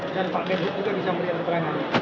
dan pak menhuk juga bisa memberikan peringatan